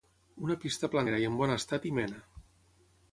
Una pista planera i en bon estat hi mena.